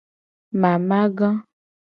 Mamaga.